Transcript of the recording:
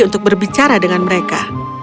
untuk berbicara dengan mereka